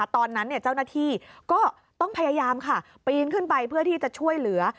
เจ้าหน้าที่ก็ต้องพยายามค่ะปีนขึ้นไปเพื่อที่จะช่วยเหลือ